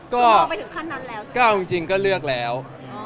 ก็เอาจริงก็เลือกแล้ว